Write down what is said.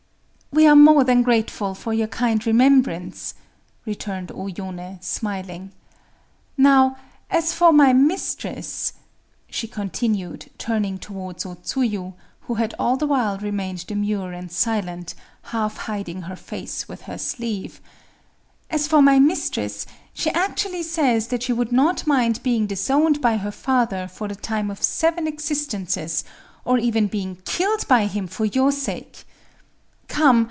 "We are more than grateful for your kind remembrance," returned O Yoné, smiling…. "Now as for my mistress,"—she continued, turning towards O Tsuyu, who had all the while remained demure and silent, half hiding her face with her sleeve,—"as for my mistress, she actually says that she would not mind being disowned by her father for the time of seven existences, or even being killed by him, for your sake! Come!